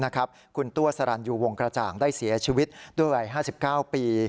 คุณตัวสรรยูวงกระจ่างได้เสียชีวิตด้วยวัย๕๙ปี